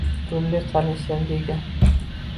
Turli qarashlarga ega